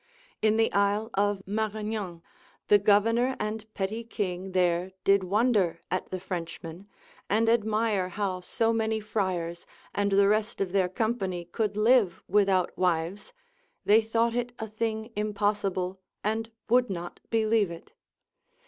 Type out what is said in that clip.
In the isle of Maragnan, the governor and petty king there did wonder at the Frenchmen, and admire how so many friars, and the rest of their company could live without wives, they thought it a thing impossible, and would not believe it.